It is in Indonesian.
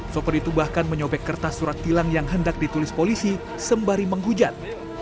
soper itu bahkan menyobek kertas surat tilang yang hendak ditulis polisi sembari menghujat